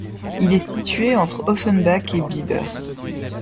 Il est situé entre Offenbach et Bieber.